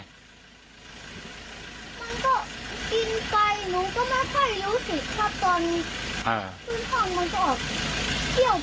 มันก็กินไปหนูก็ไม่ค่อยรู้สึกครับตอนพื้นข้างมันจะออกเที่ยว